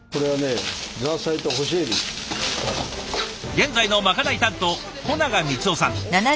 現在のまかない担当保永光男さん。